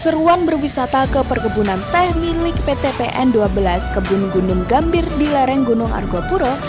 seruang berwisata ke perkebunan teh milik ptpn dua belas kebun gunung gambir di lereng gunung argo puro